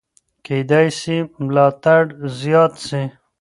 کېدای سي ملاتړ زیات سي.